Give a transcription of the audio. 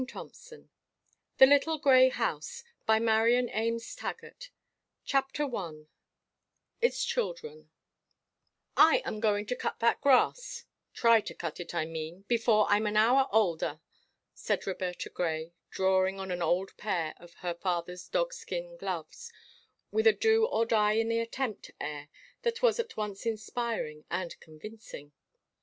ITS SUNSHINE 254 THE LITTLE GREY HOUSE CHAPTER ONE ITS CHILDREN "I am going to cut that grass try to cut it, I mean before I'm an hour older," said Roberta Grey, drawing on an old pair of her father's dog skin gloves with a do or die in the attempt air that was at once inspiring and convincing.